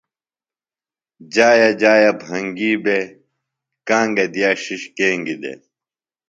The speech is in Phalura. جایہ جایہ بھنگیۡ بےۡ، گانگہ دِیا ݜِݜ کینگیۡ دےۡ